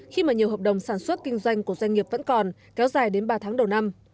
khi mà nhiều hợp đồng sản xuất kinh doanh của doanh nghiệp vẫn còn kéo dài đến ba tháng đầu năm